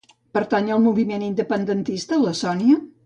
Pertany al moviment independentista la Sònia?